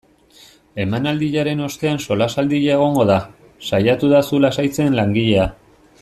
Emanaldiaren ostean solasaldia egongo da, saiatu da zu lasaitzen langilea.